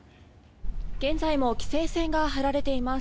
現在も規制線が張られています。